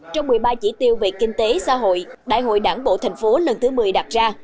trong một mươi ba chỉ tiêu về kinh tế xã hội đại hội đảng bộ thành phố lần thứ một mươi đặt ra